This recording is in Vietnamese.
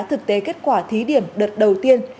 thực tế kết quả thí điểm đợt đầu tiên